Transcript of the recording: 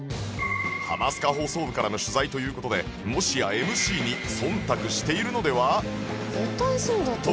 『ハマスカ放送部』からの取材という事でもしや ＭＣ に忖度しているのでは？